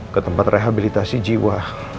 ke tempat rehabilitasi jiwa